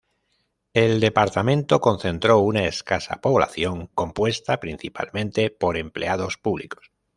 El departamento concentró una escasa población compuesta principalmente por empleados públicos.